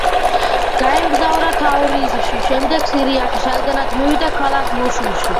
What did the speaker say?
გაემგზავრა თავრიზში, შემდეგ სირიაში, საიდანც მივიდა ქალაქ მოსულში.